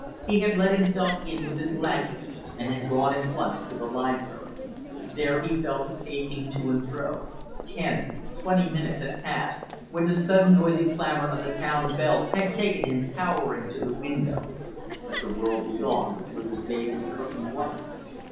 He had let himself in with his latchkey and had gone at once to the library. There he fell to pacing to and fro; ten twenty minutes had passed, when the sudden noisy clamor of the town bell had taken him, cowering, to the window; but the world beyond was a vaguely curtained white.